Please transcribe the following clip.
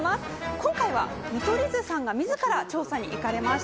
今回は見取り図さんがみずから調査に行かれました。